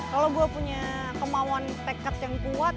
kalau gue punya kemauan tekad yang kuat